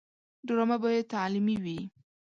ډرامه باید تعلیمي وي